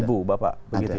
ibu bapak begitu ya